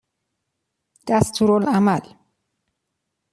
دستورالعمل